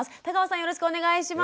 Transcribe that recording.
よろしくお願いします。